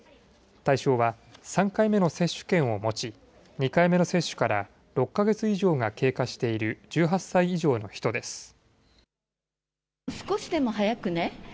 対象は３回目の接種券を持ち、２回目の接種から６か月以上が経過している１８歳以上の人です。